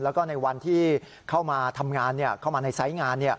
แล้วก็ในวันที่เข้ามาทำงานเข้ามาในไซส์งาน